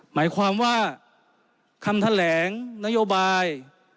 หมายความว่าคำแถลงนโยบาย